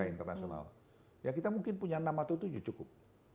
internasional ya kita mungkin punya enam atau tujuh cukup